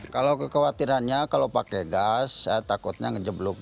kalau kekhawatirannya kalau pakai gas saya takutnya ngejeblok